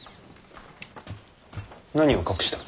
何を隠した？